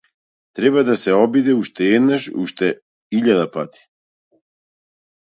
Треба да се обиде уште еднаш, уште илјада пати.